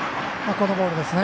このボールですね。